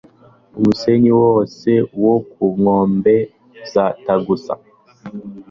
umusenyi wose wo ku nkombe za tagus